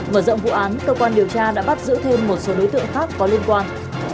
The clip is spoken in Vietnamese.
mở rộng vụ án cơ quan điều tra đã bắt giữ thêm một số đối tượng khác có liên quan